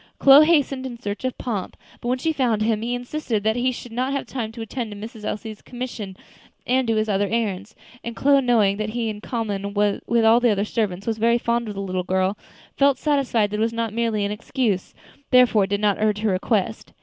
Chloe hastened in search of Pomp, but when she found him, he insisted that he should not have time to attend to Miss Elsie's commission and do his other errands; and Chloe, knowing that he, in common with all the other servants, was very fond of the little girl, felt satisfied that it was not merely an excuse, therefore did not urge her request.